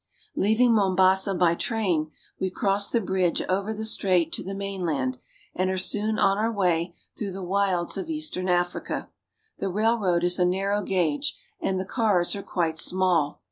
Leaving Mombasa by train, we cross the bridge over the strait to the mainland, and are soon on our way through the wilds of eastern Africa. The railroad is a narrow gauge, and the cars are quite small.